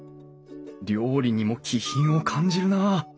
料理にも気品を感じるなあ。